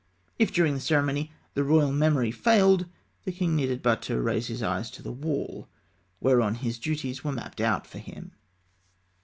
If during the ceremony the royal memory failed, the king needed but to raise his eyes to the wall, whereon his duties were mapped out for him.